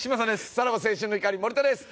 さらば青春の光森田です。